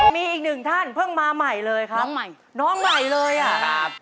มีอีกหนึ่งท่านเพิ่งมาใหม่เลยครับน้องใหม่น้องใหม่เลยอ่ะครับ